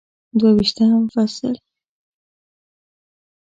دوه ویشتم فصل